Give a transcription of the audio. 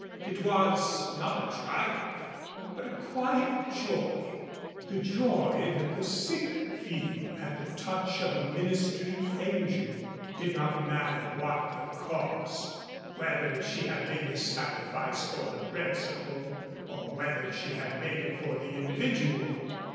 It was not a triumph, but a quiet joy, the joy that the sick feel at the touch of a ministering angel. It did not matter what the cause, whether she had made this sacrifice for the principle or whether she had made it for the individual.